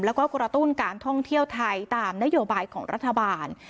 แล้วก็กระตุ้นการท่องเที่ยวไทยตามนโยบายของรัฐบาล